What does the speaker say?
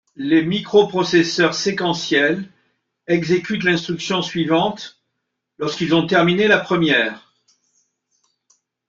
Les microprocesseurs séquentiels exécutent l'instruction suivante lorsqu'ils ont terminé la première.